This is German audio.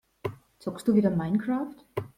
Zockst du wieder Minecraft?